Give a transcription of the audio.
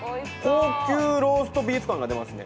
高級ローストビーフ感が出ますね